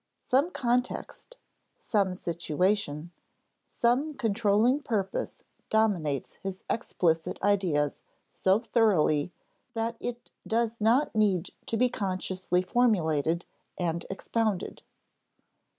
Some context, some situation, some controlling purpose dominates his explicit ideas so thoroughly that it does not need to be consciously formulated and expounded.